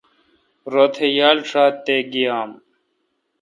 روتھ یال ݭات تے گیام۔